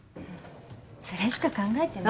それしか考えてない。